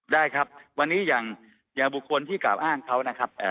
ได้ครับวันนี้อย่างบุคคลที่กล่าวอ้างเขานะครับ